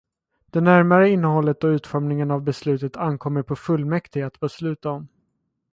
Det närmare innehållet och utformningen av beslutet ankommer på fullmäktige att besluta om.